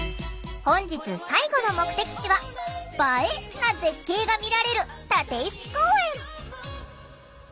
本日最後の目的地は「映え」な絶景が見られる立石公園！